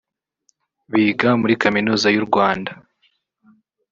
biga muri Kaminuza y’u Rwanda